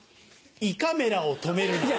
「胃カメラを止めるな」。